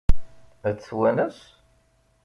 Ad t-twanes?